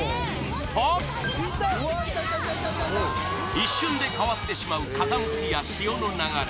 一瞬で変わってしまう風向きや潮の流れ